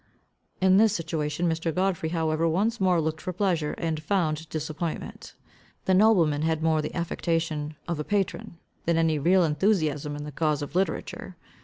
In this situation Mr. Godfrey however once more looked for pleasure, and found disappointment. The nobleman had more the affectation of a patron, than any real enthusiasm in the cause of literature.